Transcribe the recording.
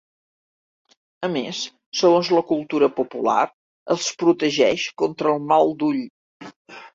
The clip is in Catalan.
A més, segons la cultura popular, els protegeix contra el mal d'ull.